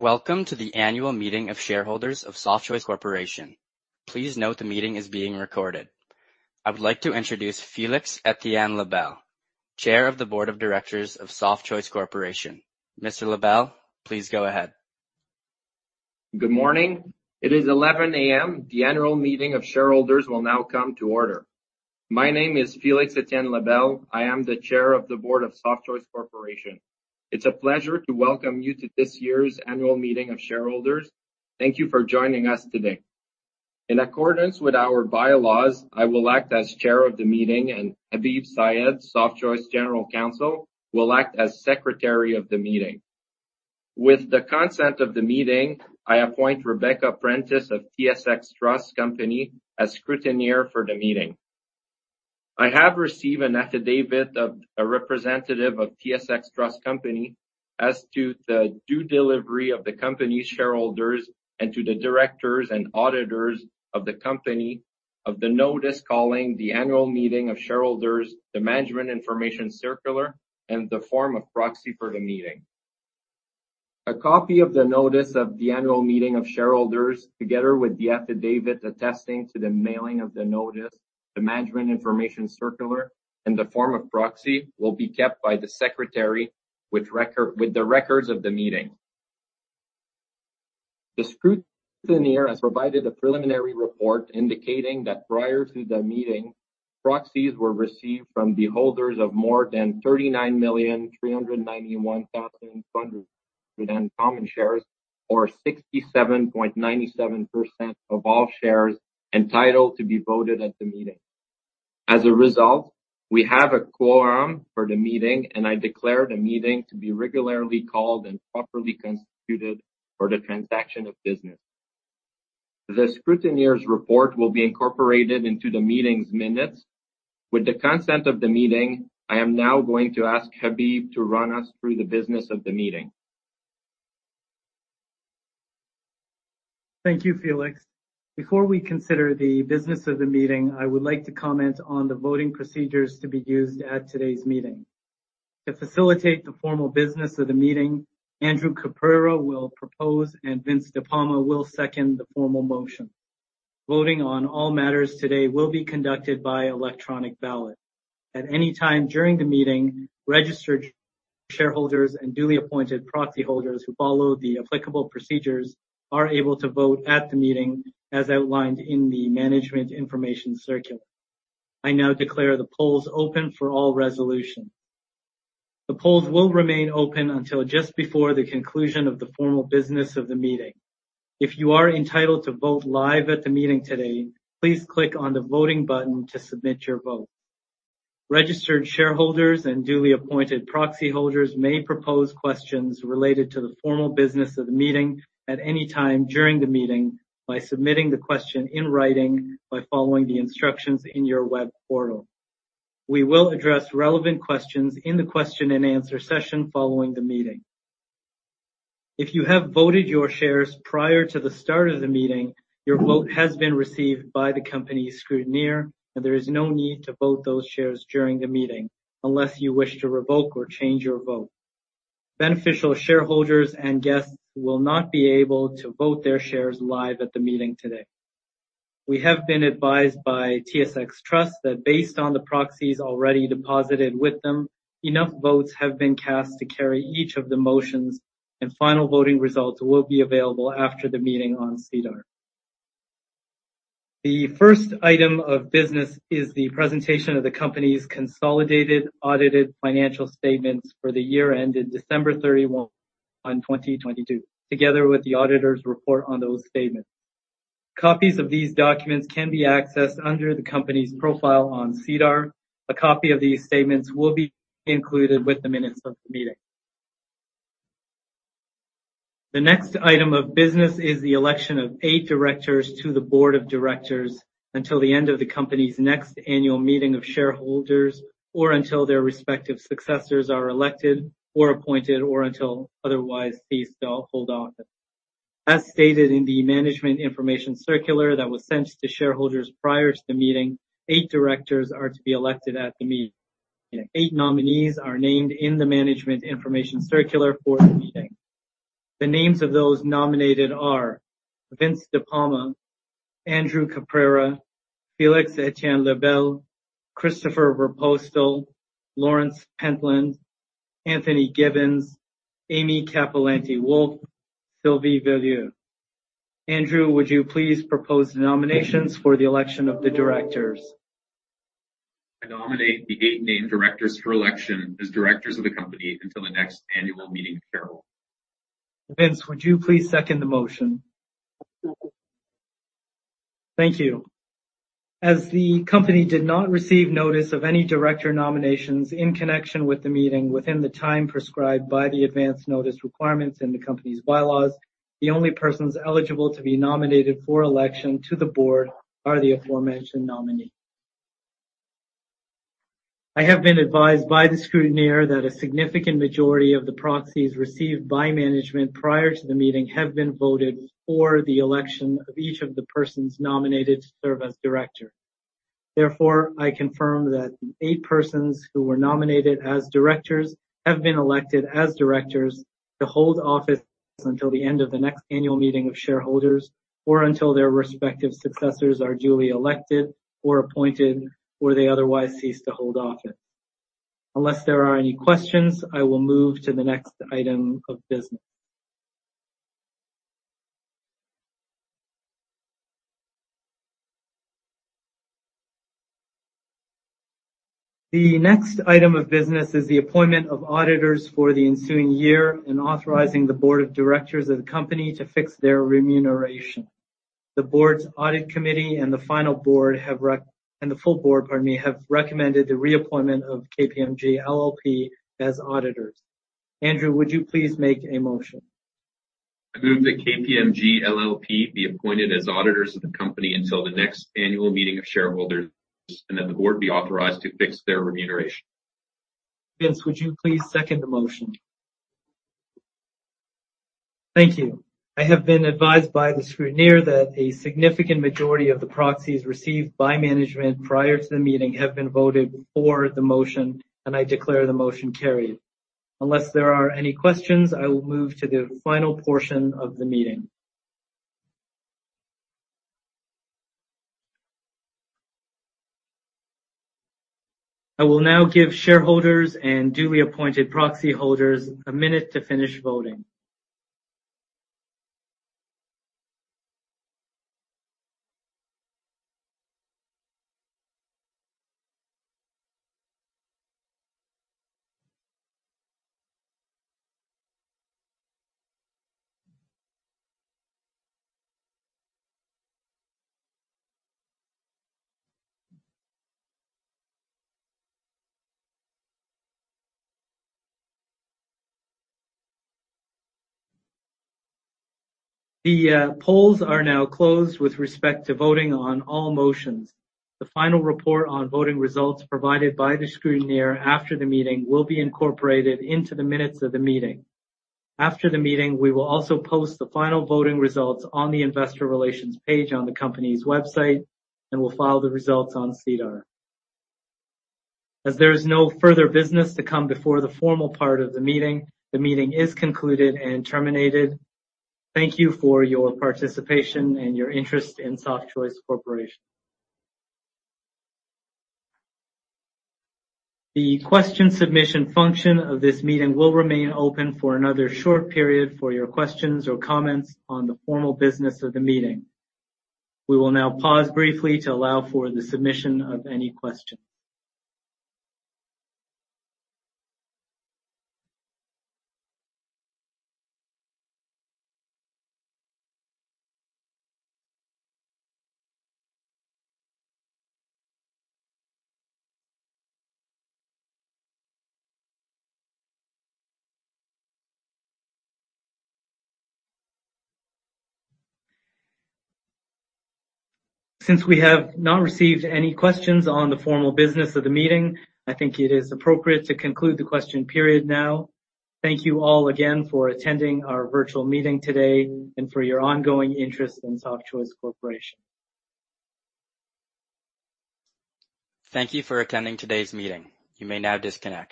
Welcome to the annual meeting of shareholders of Softchoice Corporation. Please note the meeting is being recorded. I would like to introduce Félix-Etienne Lebel, Chair of the Board of Directors of Softchoice Corporation. Mr. Lebel, please go ahead. Good morning. It is 11:00 A.M. The annual meeting of shareholders will now come to order. My name is Félix-Etienne Lebel. I am the Chair of the Board of Softchoice Corporation. It's a pleasure to welcome you to this year's annual meeting of shareholders. Thank you for joining us today. In accordance with our bylaws, I will act as Chair of the Meeting, and Habeeb Syed, Softchoice General Counsel, will act as Secretary of the Meeting. With the consent of the meeting, I appoint Rebecca Prentice of TSX Trust Company as scrutineer for the meeting. I have received an affidavit of a representative of TSX Trust Company as to the due delivery of the company's shareholders and to the directors and auditors of the company of the notice calling the annual meeting of shareholders, the Management Information Circular, and the form of proxy for the meeting. A copy of the notice of the annual meeting of shareholders, together with the affidavit attesting to the mailing of the notice, the Management Information Circular, and the form of proxy, will be kept by the secretary with the records of the meeting. The scrutineer has provided a preliminary report indicating that prior to the meeting, proxies were received from the holders of more than 39,391,200 common shares, or 67.97% of all shares entitled to be voted at the meeting. As a result, we have a quorum for the meeting, and I declare the meeting to be regularly called and properly constituted for the transaction of business. The scrutineer's report will be incorporated into the meeting's minutes. With the consent of the meeting, I am now going to ask Habeeb to run us through the business of the meeting. Thank you, Felix. Before we consider the business of the meeting, I would like to comment on the voting procedures to be used at today's meeting. To facilitate the formal business of the meeting, Andrew Caprara will propose, and Vince De Palma will second the formal motion. Voting on all matters today will be conducted by electronic ballot. At any time during the meeting, registered shareholders and duly appointed proxy holders who follow the applicable procedures are able to vote at the meeting, as outlined in the Management Information Circular. I now declare the polls open for all resolutions. The polls will remain open until just before the conclusion of the formal business of the meeting. If you are entitled to vote live at the meeting today, please click on the voting button to submit your vote. Registered shareholders and duly appointed proxy holders may propose questions related to the formal business of the meeting at any time during the meeting by submitting the question in writing, by following the instructions in your web portal. We will address relevant questions in the question and answer session following the meeting. If you have voted your shares prior to the start of the meeting, your vote has been received by the company's scrutineer, and there is no need to vote those shares during the meeting unless you wish to revoke or change your vote. Beneficial shareholders and guests will not be able to vote their shares live at the meeting today. We have been advised by TSX Trust that based on the proxies already deposited with them, enough votes have been cast to carry each of the motions. Final voting results will be available after the meeting on SEDAR. The first item of business is the presentation of the company's consolidated audited financial statements for the year ended December 31, 2022, together with the auditor's report on those statements. Copies of these documents can be accessed under the company's profile on SEDAR. A copy of these statements will be included with the minutes of the meeting. The next item of business is the election of 8 directors to the board of directors until the end of the company's next annual meeting of shareholders, or until their respective successors are elected or appointed, or until otherwise ceased to hold office. As stated in the Management Information Circular that was sent to shareholders prior to the meeting, eight directors are to be elected at the meeting. Eight nominees are named in the Management Information Circular for the meeting. The names of those nominated are Vince De Palma, Andrew Caprara, Félix-Etienne Lebel, Christopher Voorpoorte, Lawrence Pentland, Anthony Gibbons, Amy Cappellanti-Wolf, Sylvie Veilleux. Andrew, would you please propose the nominations for the election of the directors? I nominate the eight named directors for election as directors of the company until the next annual meeting of shareholders. Vince, would you please second the motion? Thank you. As the company did not receive notice of any director nominations in connection with the meeting within the time prescribed by the advance notice requirements in the company's bylaws, the only persons eligible to be nominated for election to the board are the aforementioned nominees. I have been advised by the scrutineer that a significant majority of the proxies received by management prior to the meeting have been voted for the election of each of the persons nominated to serve as director. I confirm that the eight persons who were nominated as directors have been elected as directors to hold office until the end of the next annual meeting of shareholders, or until their respective successors are duly elected or appointed, or they otherwise cease to hold office. Unless there are any questions, I will move to the next item of business. The next item of business is the appointment of auditors for the ensuing year and authorizing the board of directors of the company to fix their remuneration. The board's audit committee and the full board, pardon me, have recommended the reappointment of KPMG LLP as auditors. Andrew, would you please make a motion? I move that KPMG LLP be appointed as auditors of the company until the next annual meeting of shareholders, and that the board be authorized to fix their remuneration. Vince, would you please second the motion? Thank you. I have been advised by the scrutineer that a significant majority of the proxies received by management prior to the meeting have been voted for the motion, and I declare the motion carried. Unless there are any questions, I will move to the final portion of the meeting. I will now give shareholders and duly appointed proxy holders a minute to finish voting. The polls are now closed with respect to voting on all motions. The final report on voting results provided by the scrutineer after the meeting will be incorporated into the minutes of the meeting. After the meeting, we will also post the final voting results on the investor relations page on the company's website, and we'll file the results on SEDAR. As there is no further business to come before the formal part of the meeting, the meeting is concluded and terminated. Thank you for your participation and your interest in Softchoice Corporation. The question submission function of this meeting will remain open for another short period for your questions or comments on the formal business of the meeting. We will now pause briefly to allow for the submission of any questions. Since we have not received any questions on the formal business of the meeting, I think it is appropriate to conclude the question period now. Thank you all again for attending our virtual meeting today and for your ongoing interest in Softchoice Corporation. Thank you for attending today's meeting. You may now disconnect.